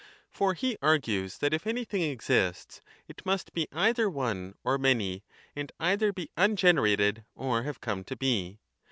For he argues that if anything exists, it must be either one or many, and cither be ungenerated or have come to be.